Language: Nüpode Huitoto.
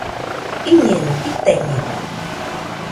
Iñeno.jitaiñede